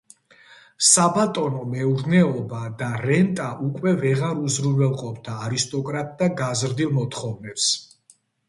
საბატონო მეურნეობა და რენტა უკვე ვეღარ უზრუნველყოფდა არისტოკრატთა გაზრდილ მოთხოვნებს.